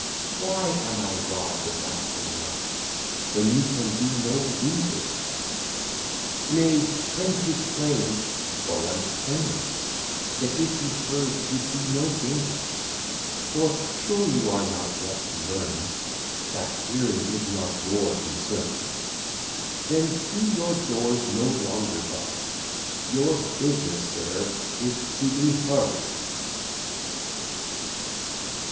Why am I robb'd of that delight, When you can be no loser by't Nay, when 'tis plain (for what is plainer?) That if you heard you'd be no gainer? For sure you are not yet to learn, That hearing is not your concern. Then be your doors no longer barr'd: Your business, sir, is to be heard.